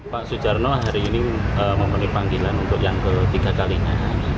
pak sujarno hari ini memenuhi panggilan untuk yang ketiga kalinya